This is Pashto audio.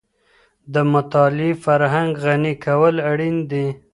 د مطالعې فرهنګ غني کول اړین دي.